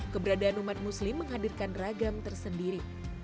keberadaan umat muslim menghadirkan ragam tersendiri